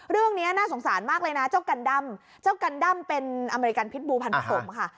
เรื่องนี้น่าสงสารมากเลยนะเจ้ากันดำเจ้ากันด้ำเป็นอเมริกันพิษบูพันธมค่ะ